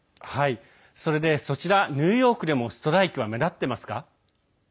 そちらニューヨークでもストライキは目立っていますか？